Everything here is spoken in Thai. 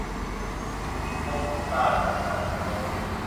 กรมการพัฒนาชุมชน